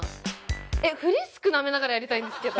えっフリスクなめながらやりたいんですけど